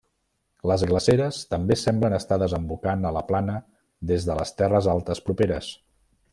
Les glaceres també semblen estar desembocant a la plana des de les terres altes properes.